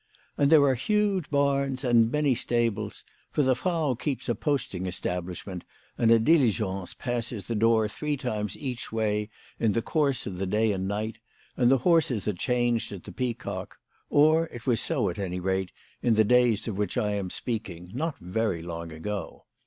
And there are huge barns and many stables ; for the Frau keeps a posting establishment, and a diligence passes the door three times each way in the course of the day and night, and the horses are changed at the Peacock ; or it was so, at any rate, in the days of which I am speaking, not very long ago.